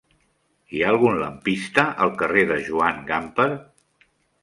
Hi ha algun lampista al carrer de Joan Gamper?